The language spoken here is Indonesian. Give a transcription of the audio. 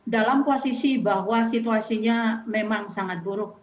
dalam posisi bahwa situasinya memang sangat buruk